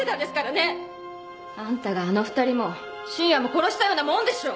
あんたがあの２人も信也も殺したようなもんでしょ。